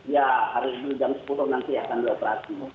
ya hari ini jam sepuluh nanti akan dioperasi